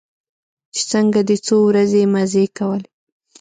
چې څنگه دې څو ورځې مزې کولې.